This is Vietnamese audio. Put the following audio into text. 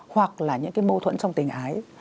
hoặc là những cái mâu thuẫn trong tình ái